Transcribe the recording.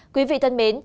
quý vị thân mến